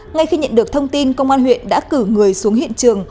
ngay khi nhận được thông tin công an huyện đã cử người xuống hiện trường